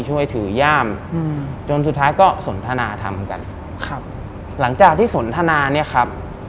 ช่วยถือย่ามอืมจนสุดท้ายก็สนทนาทำกันครับหลังจากที่สนทนาเนี่ยครับ